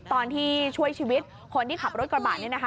ตอนที่ช่วยชีวิตคนที่ขับรถกระบะนี่นะคะ